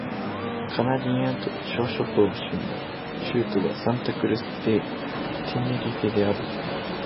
カナリア諸島州の州都はサンタ・クルス・デ・テネリフェである